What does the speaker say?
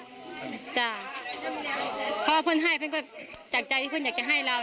เพราะว่าเพื่อนให้เพื่อนก็จากใจที่เพื่อนอยากจะให้เรา